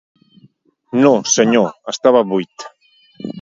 No, senyor, estava buit.